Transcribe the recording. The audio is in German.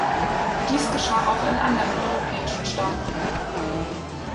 Dies geschah auch in anderen europäischen Staaten.